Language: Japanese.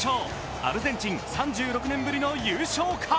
アルゼンチン３６年ぶりの優勝か。